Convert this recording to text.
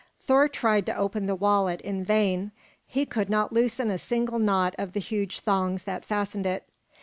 Thor tried to open the wallet, in vain; he could not loosen a single knot of the huge thongs that fastened it.